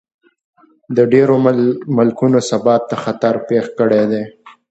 د ډېرو ملکونو ثبات ته خطر پېښ کړی دی.